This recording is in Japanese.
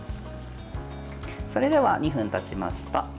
それでは２分たちました。